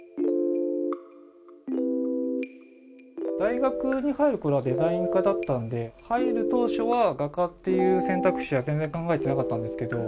大学に入るころはデザイン科だったので、入る当初は画家っていう選択肢は全然考えてなかったんですけど。